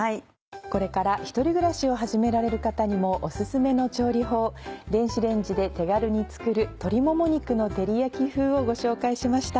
これから１人暮らしを始められる方にもオススメの調理法電子レンジで手軽に作る「鶏もも肉の照り焼き風」をご紹介しました。